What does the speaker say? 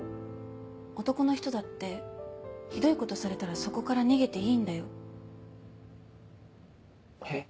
男の人だってひどいことされたらそこから逃げていいんだよ。え？